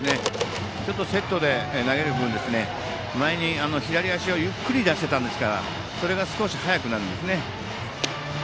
セットで投げる分、左足をゆっくり出していたんですがそれが少し早くなったんですね。